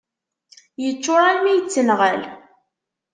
Yeččur almi yettenɣal.